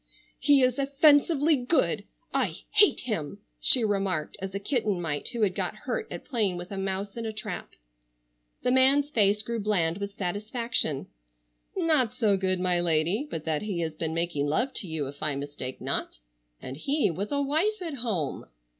"He is offensively good. I hate him!" she remarked as a kitten might who had got hurt at playing with a mouse in a trap. The man's face grew bland with satisfaction. "Not so good, my lady, but that he has been making love to you, if I mistake not, and he with a wife at home."